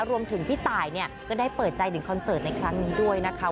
พี่ตายเนี่ยก็ได้เปิดใจถึงคอนเสิร์ตในครั้งนี้ด้วยนะคะ